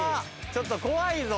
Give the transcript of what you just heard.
ちょっと怖いぞ！